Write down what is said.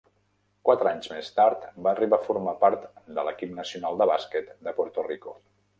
Quatre anys més tard va arribar a formar part de l'equip nacional de bàsquet de Puerto Rico.